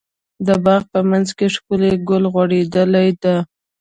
د باغ په منځ کې ښکلی ګل غوړيدلی ده.